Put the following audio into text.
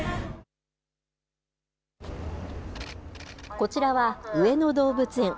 こちらは上野動物園。